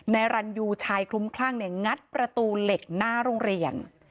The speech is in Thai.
นายรันยูชายคลุ้มคลั่งเนี่ยงัดประตูเหล็กหน้าโรงเรียน